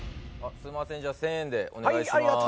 すみません、１０００円でお願いします。